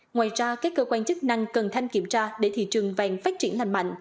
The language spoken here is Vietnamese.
ngoài ra các cơ quan chức năng cần thanh kiểm tra để thị trường vàng phát triển lành mạnh